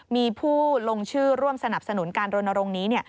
มีผู้ลงชื่อร่วมสนับสนุนการรณรงค์นี้